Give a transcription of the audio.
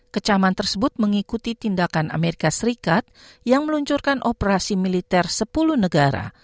kecaman tersebut mengikuti tindakan amerika serikat yang meluncurkan operasi militer sepuluh negara